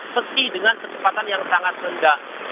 meski dengan kecepatan yang sangat rendah